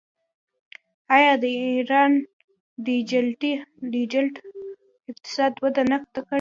آیا د ایران ډیجیټل اقتصاد وده نه ده کړې؟